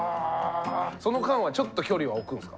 その間はちょっと距離は置くんですか？